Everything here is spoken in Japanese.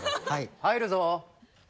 ・入るぞ！